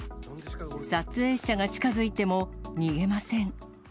撮影者が近づいても、逃げません。